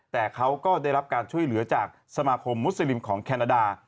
แต่เขาก็ได้รับการช่วยเหลือจากสมาคมมุสลิมของแคนาดา